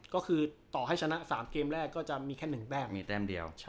ก็คือต่อให้ชนะ๓เกมแรกก็จะมีแค่๑แต้ม